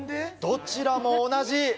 どちらも同じ。